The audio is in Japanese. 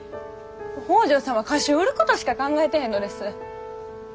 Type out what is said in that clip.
北條さんは歌集を売ることしか考えてへんのです。